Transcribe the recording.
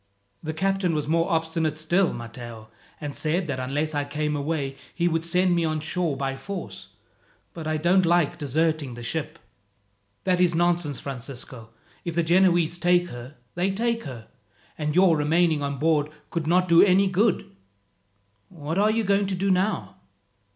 "The captain was more obstinate still, Matteo, and said that unless I came away he would send me on shore by force; but I don't like deserting the ship." "That is nonsense, Francisco. If the Genoese take her, they take her, and your remaining on board could not do any good. What are you going to do now?"